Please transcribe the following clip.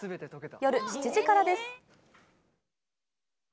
夜７時からです。